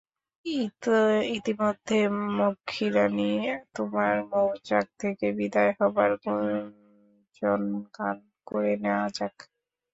ইতিমধ্যে মক্ষীরানী, তোমার মউচাক থেকে বিদায় হবার গুঞ্জনগান করে নেওয়া যাক।